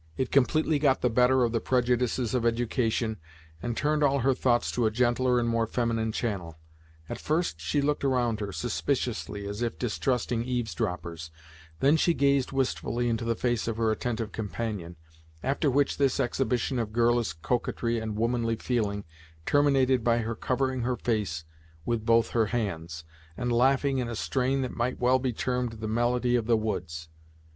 It completely got the better of the prejudices of education, and turned all her thoughts to a gentler and more feminine channel. At first, she looked around her, suspiciously, as if distrusting eavesdroppers; then she gazed wistfully into the face of her attentive companion; after which this exhibition of girlish coquetry and womanly feeling, terminated by her covering her face with both her hands, and laughing in a strain that might well be termed the melody of the woods.